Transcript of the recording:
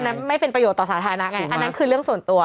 ไม่เป็นประโยชน์ต่อสาธารณะไงอันนั้นคือเรื่องส่วนตัว